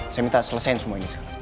saya minta selesaiin semua ini sekarang